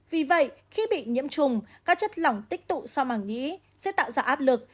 vì vậy khi bị nhiễm trùng các chất lỏng tích tụ sau màng nhĩ sẽ tạo ra áp lực